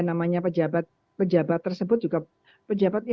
namanya pejabat tersebut juga